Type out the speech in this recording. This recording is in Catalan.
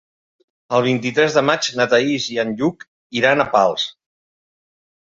El vint-i-tres de maig na Thaís i en Lluc iran a Pals.